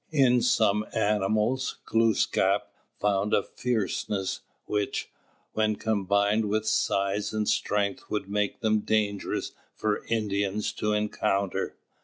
In some animals Glūskap found a fierceness, which, when combined with size and strength, would make them dangerous for Indians to encounter.